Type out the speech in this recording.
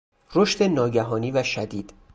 رشد ناگهانی و شدید